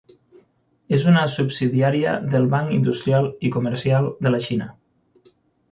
És una subsidiària del Banc Industrial i Comercial de la Xina.